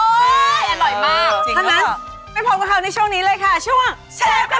เพราะฉะนั้นไปพบกับเขาในช่วงนี้เลยค่ะช่วงเชฟกระทะหล่อ